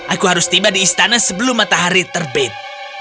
aku harus tiba di istana sebelum matahari terbit